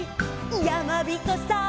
「やまびこさん」